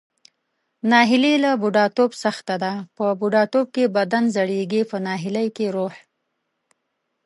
ناهیلي له بوډاتوب سخته ده، په بوډاتوب کې بدن زړیږي پۀ ناهیلۍ کې روح.